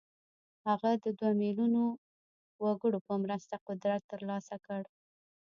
هغه د دوه ميليونه وګړو په مرسته قدرت ترلاسه کړ.